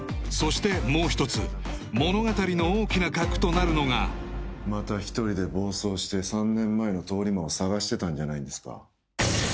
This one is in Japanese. そしてもう一つ物語の大きな核となるのがまた一人で暴走して３年前の通り魔を捜してたんじゃないんですか？